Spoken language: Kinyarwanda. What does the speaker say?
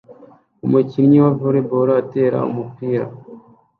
Umukinnyi wa volley ball atera umupira